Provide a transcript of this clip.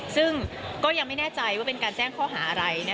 ซึ่งก็ยังไม่แน่ใจว่าเป็นการแจ้งข้อหาอะไร